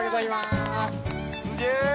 すげえ。